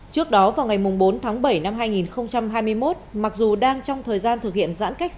trước đó vào ngày bốn tháng bảy năm hai nghìn hai mươi một